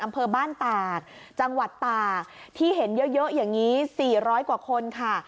อำเภอบ้านตากจังหวัดตากที่เห็นเยอะอย่างนี้๔๐๐กว่าคนค่ะ